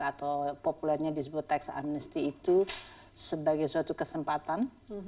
atau populernya disebut teksamnesti itu sebagai suatu kesempatan